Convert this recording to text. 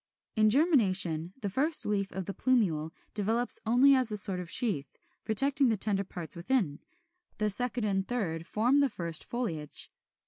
In germination the first leaf of the plumule develops only as a sort of sheath, protecting the tender parts within; the second and the third form the first foliage.